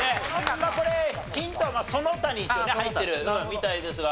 これヒントはその他に入ってるみたいですが。